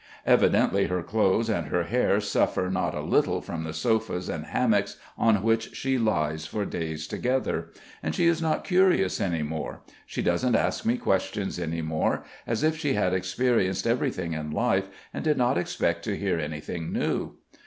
Evidently her clothes and her hair suffer not a little from the sofas and hammocks on which she lies for days together. And she is not curious any more. She doesn't ask me questions any more, as if she had experienced everything in life and did not expect to hear anything new.